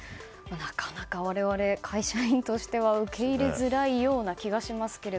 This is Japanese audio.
なかなか我々、会社員としては受け入れづらい気がしますが。